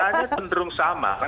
rasanya cenderung sama